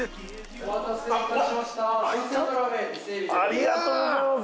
ありがとうございます！